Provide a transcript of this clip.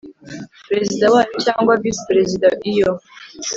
Perezida wayo cyangwa visi perezida iyo